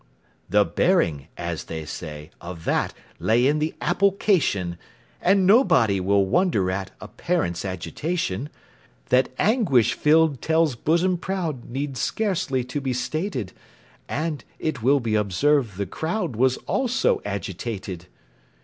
"The bearing," as they say, "of that Lay in the apple cation," And nobody will wonder at A parent's agitation; That anguish filled Tell's bosom proud Needs scarcely to be stated, And, it will be observed, the crowd Was also agitated.